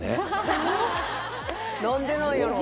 何でなんやろう？